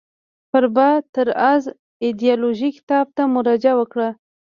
فربه تر از ایدیالوژی کتاب ته مراجعه وکړئ.